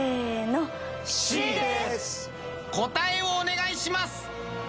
答えをお願いします！